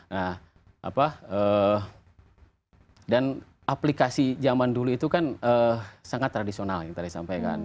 nah apa dan aplikasi zaman dulu itu kan sangat tradisional yang tadi disampaikan